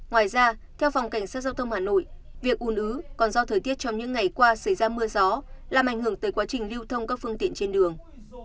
ngoài ra theo phòng cảnh sát giao thông hà nội việc ủn ứ còn do thời tiết trong những ngày qua xảy ra mưa gió làm ảnh hưởng tới quá trình lưu thông các phương tiện trên đường